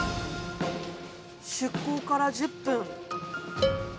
出港から１０分。